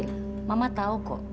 bapak bisa mengerti